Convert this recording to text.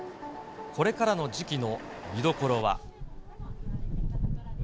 これからの時期の見どころは。